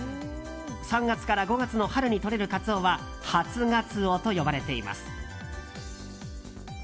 ３月から５月の春に取れるカツオは初ガツオと呼ばれています。